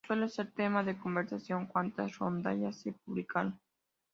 Suele ser tema de conversación cuántas rondallas se publicaron.